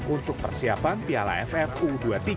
untuk persiapan piala ff u dua puluh tiga dua ribu dua puluh dua